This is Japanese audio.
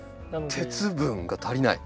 鉄分が足りない？